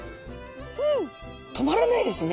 止まらないですね